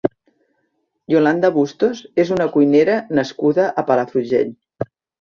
Iolanda Bustos és una cuinera nascuda a Palafrugell.